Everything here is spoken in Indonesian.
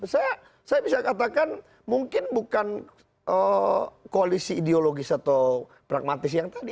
saya bisa katakan mungkin bukan koalisi ideologis atau pragmatis yang tadi